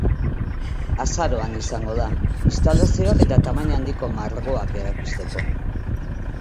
Azaroan izango da, instalazioak eta tamaina handiko margoak erakusteko.